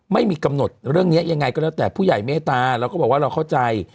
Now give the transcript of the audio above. ไม่มีกำหนดเรื่องนี้ยังไงก็แล้วแต่ผู้ใหญ่เมตตาเราก็บอกว่าเราเข้าใจ